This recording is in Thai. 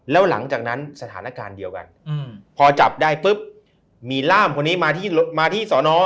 แล้วหลังจากนั้นสถานการณ์เดียวกันพอจับได้ปุ๊บมีร่ามคนนี้มาที่สอนอ